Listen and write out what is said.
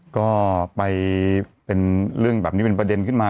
ก็ไปเป็นเรื่องแบบนี้เป็นประเด็นขึ้นมา